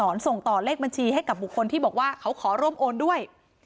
ส่งต่อเลขบัญชีให้กับบุคคลที่บอกว่าเขาขอร่วมโอนด้วย